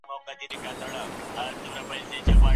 هیڅوک حق نه لري چي د بل چا رایې غلا کړي.